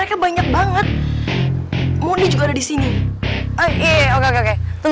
di sini banyak orang